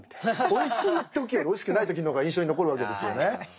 おいしい時よりおいしくない時の方が印象に残るわけですよね。